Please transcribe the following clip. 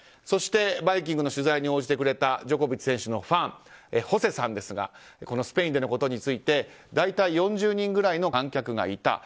そして「バイキング」の取材に応じてくれたジョコビッチ選手のファンホセさんですがスペインでのことについて大体４０人ぐらいの観客がいた。